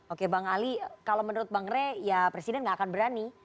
oke bang ali kalau menurut bang rey ya presiden nggak akan berani